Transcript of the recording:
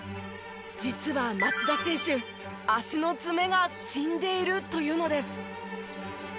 実は町田選手足の爪が死んでいるというのです。